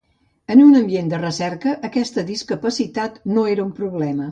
En un ambient de recerca, aquesta discapacitat no era un problema.